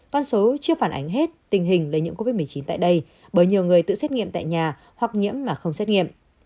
con số chưa phản ánh hết tình hình lây nhiễm covid một mươi chín tại đây bởi nhiều người tự xét nghiệm tại nhà hoặc nhiễm mà không xét nghiệm